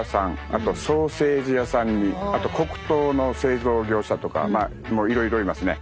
あとソーセージ屋さんにあと黒糖の製造業者とかいろいろいますね。